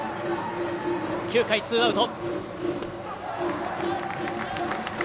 ９回ツーアウト。